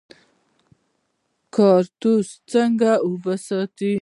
کاکتوس څنګه اوبه ساتي؟